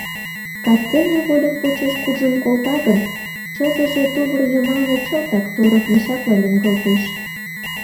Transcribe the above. Кастене вольык почеш куржын колта гын, чызыже тувыр йымалне чылтак торык мешакла лӱҥгалтеш.